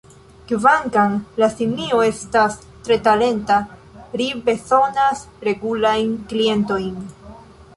Kvankam la simio estas tre talenta, ri bezonas regulajn klientojn.